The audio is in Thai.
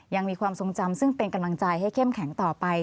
ยังมีความทรงจำซึ่งเป็นกำลังใจให้เข้มแข็งต่อไป